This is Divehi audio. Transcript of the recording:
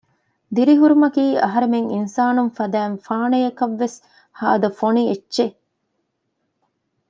ދިރިހުރުމަކީ އަހަރެމެން އިންސާނުން ފަދައިން ފާނަޔަކަށް ވެސް ހާދަ ފޮނި އެއްޗެއް